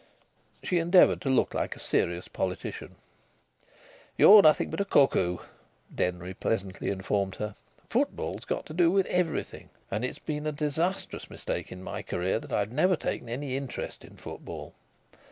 She endeavoured to look like a serious politician. "You are nothing but a cuckoo," Denry pleasantly informed her. "Football has got to do with everything. And it's been a disastrous mistake in my career that I've never taken any interest in football.